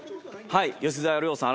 吉沢亮さん